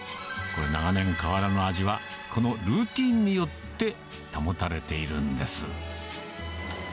これ、長年変わらぬ味は、このルーティーンによって保たれているんです。